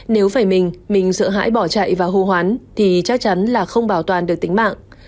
nếu phải mình mình sợ hãi bỏ chạy và hô hoán thì chắc chắn là không bảo toàn được tính mạng